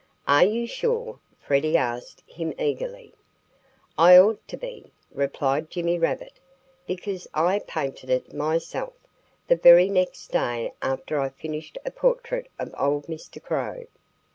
"Are you sure?" Freddie asked him eagerly. "I ought to be," replied Jimmy Rabbit, "because I painted it myself, the very next day after I finished a portrait of old Mr. Crow."